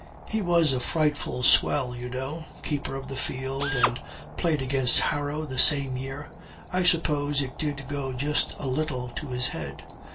'He was a frightful swell, you know. Keeper of the field, and played against Harrow the same year. I suppose it did go just a little to his head.'